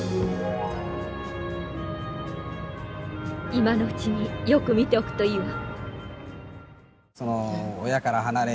今のうちによく見ておくといいわ。